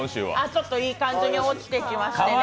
ちょっといい感じに落ちてきましてね。